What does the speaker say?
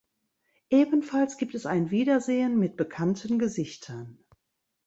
Ebenfalls gibt es ein Wiedersehen mit bekannten Gesichtern.